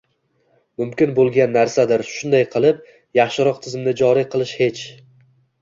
mumkin bo‘lgan narsadir. Shunday qilib, yaxshiroq tizimni joriy qilish hech